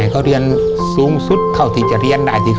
เขาเรียนสูงสุดเท่าที่จะเรียนได้